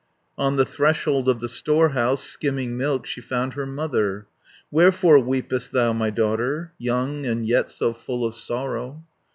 On the threshold of the storehouse, Skimming milk, she found her mother. "Wherefore weepest thou, my daughter, Young, and yet so full of sorrow?"